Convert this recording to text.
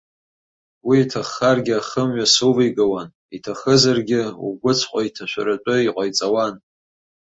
Уи иҭаххаргьы ахымҩас увигауан, иҭахызаргьы угәыҵәҟьа иҭашәаратәы иҟаиҵауан.